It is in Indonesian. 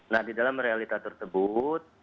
nah di dalam realita tersebut